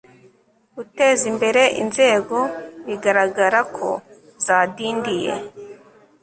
gutezimbere inzego bigaragara ko zadindiye